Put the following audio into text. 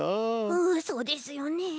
うんそうですよね。